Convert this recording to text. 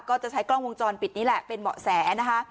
ก็จะใช้กล้องวงจรปิดนี่แหละเป็นเบาะแสนะคะ